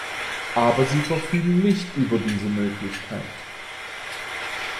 Aber sie verfügen nicht über diese Möglichkeit.